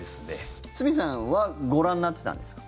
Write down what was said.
堤さんはご覧になってたんですか？